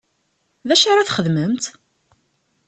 D acu ara txedmemt?